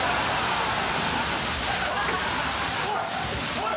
おい！